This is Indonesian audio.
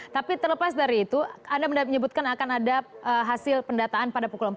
tapi terlepas dari itu anda menyebutkan akan ada hasil pendataan pada pukul empat